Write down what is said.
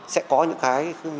sẽ có những cái